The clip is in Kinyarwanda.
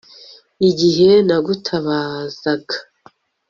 igihe nagutabazaga